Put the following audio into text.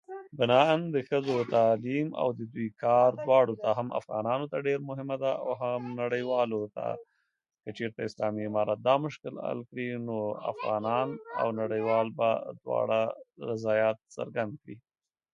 Carpenter was unconventional as a scholar.